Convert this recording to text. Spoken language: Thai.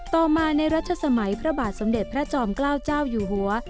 ต่อมาในรัชสมัยพระบาทสมเด็จพระจอมเกล้าเจ้าอยู่หัว